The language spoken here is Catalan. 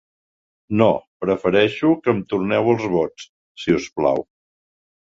No, prefereixo que em torneu els vots, si us plau.